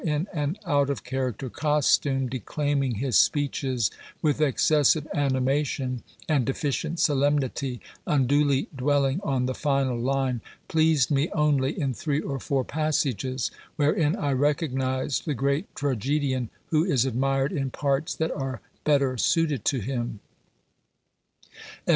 in an out of character costume, declaiming his speeches with excessive animation and deficient solemnity, unduly dwelling on the final line, pleased me only in three or four passages, wherein I recognised the great tragedian who is admired in parts that are better suited to him.